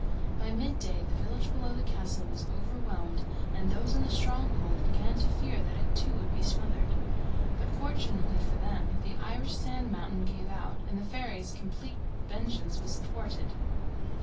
By mid day the village below the castle was overwhelmed, and those in the stronghold began to fear that it too would be smothered. But fortunately for them the Irish sand mountain gave out, and the fairies' complete vengeance was thwarted.